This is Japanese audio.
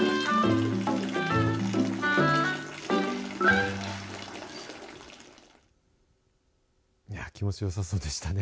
いやあ、気持ちよさそうでしたね。